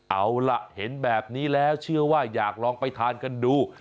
เอาล่ะเห็นแบบนี้แล้วเชื่อว่าอยากลองไปทานกันดู